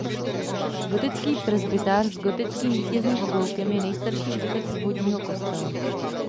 Gotický presbytář s gotickým vítězným obloukem je nejstarší zbytek původního kostela.